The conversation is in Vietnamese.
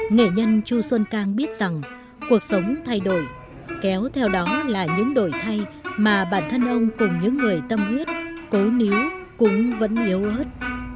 nghệ nhân chu xuân cang biết rằng cuộc sống thay đổi kéo theo đó là những đổi thay mà bản thân ông cùng những người tâm huyết cố níu cũng vẫn yếu ớt